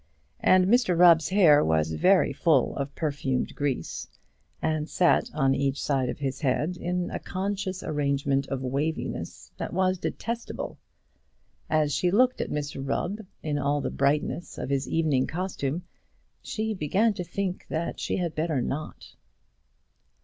And Mr Rubb's hair was very full of perfumed grease, and sat on each side of his head in a conscious arrangement of waviness that was detestable. As she looked at Mr Rubb in all the brightness of his evening costume, she began to think that she had better not.